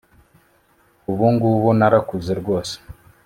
ubu ngubu narakuze rwose